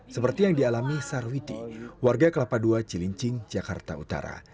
seperti yang dialami sarwiti warga kelapa ii cilincing jakarta utara